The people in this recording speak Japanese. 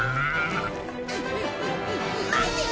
待ってよ